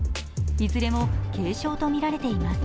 いずれも軽症とみられています。